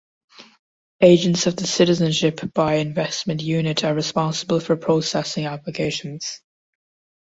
Agents of the Citizenship by Investment Unit are responsible for processing applications.